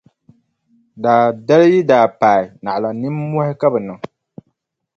Daa dali yi daa paai naɣila nimmɔhi ka bɛ niŋ.